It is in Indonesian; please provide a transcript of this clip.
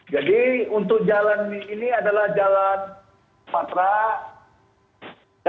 jadi untuk jalan ini adalah jalan patra